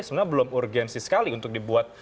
sebenarnya belum urgensi sekali untuk dibuat